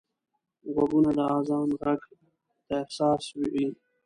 غوږونه د اذان غږ ته حساس وي